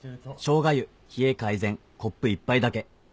「生姜湯冷え改善・コップ１杯だけ！」